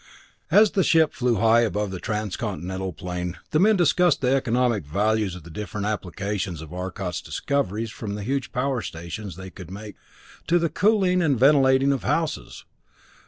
As the ship flew high above the Transcontinental plane, the men discussed the economic values of the different applications of Arcot's discoveries from the huge power stations they could make, to the cooling and ventilating of houses.